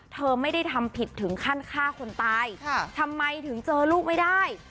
เธอไม่ได้ทำผิดถึงขั้นฆ่าคนตายทำไมถึงเจอลูกไม่ได้